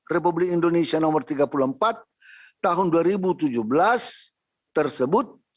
republik indonesia nomor tiga puluh empat tahun dua ribu tujuh belas tersebut